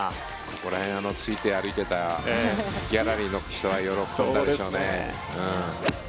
ここら辺ついて歩いていたギャラリーの人は喜んだでしょうね。